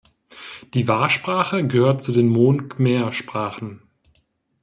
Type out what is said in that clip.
Die Wa-Sprache gehört zu den Mon-Khmer-Sprachen.